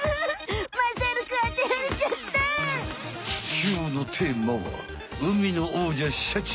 きょうのテーマは海の王者シャチ。